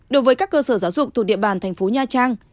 đối với các cơ sở giáo dục thuộc địa bàn thành phố nha trang